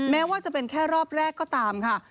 แม้ว่าจะเป็นแค่รอบแรกก็ตามค่ะ